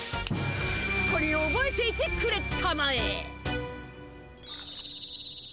しっかりおぼえていてくれたまえ。